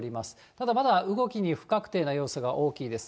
ただまだ動きに不確定な要素が大きいです。